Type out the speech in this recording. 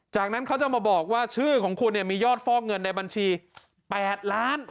จากนั้นเขาจะมาบอกว่าชื่อของคุณเนี่ยมียอดฟอกเงินในบัญชี๘ล้าน